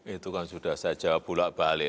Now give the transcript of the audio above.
itu kan sudah saya jawab bulat balik